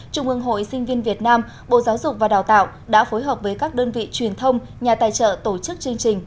trung ương hội sinh viên việt nam bộ giáo dục và đào tạo đã phối hợp với các đơn vị truyền thông nhà tài trợ tổ chức chương trình